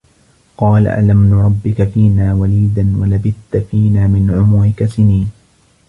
قالَ أَلَم نُرَبِّكَ فينا وَليدًا وَلَبِثتَ فينا مِن عُمُرِكَ سِنينَ